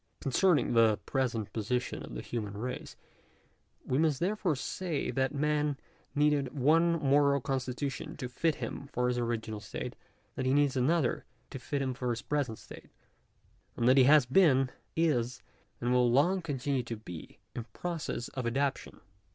Concerning the present position of the human race, we must therefore say, that man needed one moral constitution to fit him for his original state ; that he needs another to fit him for his present state ; and that he has been, is, and will long continue to be, in process of adaptation.